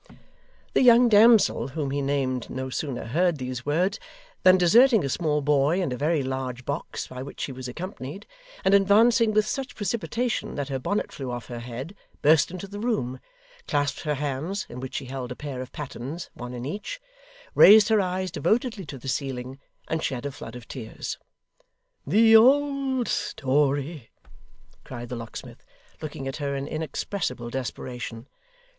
The young damsel whom he named no sooner heard these words, than deserting a small boy and a very large box by which she was accompanied, and advancing with such precipitation that her bonnet flew off her head, burst into the room, clasped her hands (in which she held a pair of pattens, one in each), raised her eyes devotedly to the ceiling, and shed a flood of tears. 'The old story!' cried the locksmith, looking at her in inexpressible desperation.